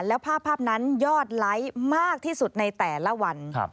แล้วภาพนั้นยอดไลค์มากที่สุดในแต่ละวัน